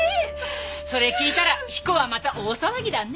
それ聞いたら彦はまた大騒ぎだね。